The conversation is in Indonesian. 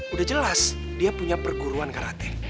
udah jelas dia punya perguruan karate